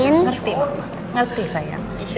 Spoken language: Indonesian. ngerti ngerti sayang